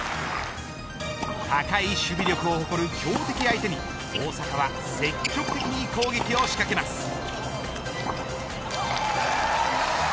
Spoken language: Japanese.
高い守備力を誇る強敵相手に大坂は積極的に攻撃を仕掛けます。